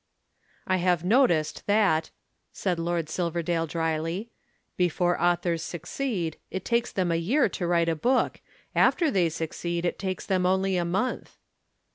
"I have noticed that," said Lord Silverdale dryly, "before authors succeed, it takes them a year to write a book, after they succeed it takes them only a month."